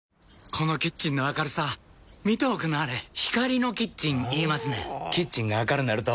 このキッチンの明るさ見ておくんなはれ光のキッチン言いますねんほぉキッチンが明るなると・・・